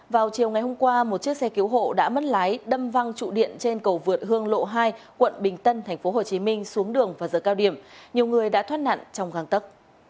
vào chiều ngày hôm qua một chiếc xe cứu hộ đã mất lái đâm văn trụ điện trên cầu vượt hương lộ hai quận bình tân tp hcm xuống đường vào giờ cao điểm nhiều người đã thoát nạn trong găng tấc